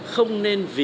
không nên vì